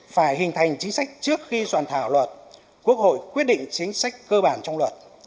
phải hình thành chính sách trước khi soạn thảo luật quốc hội quyết định chính sách cơ bản trong luật